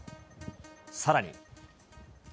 さらに。